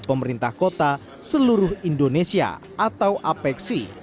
pemerintah kota seluruh indonesia atau apec c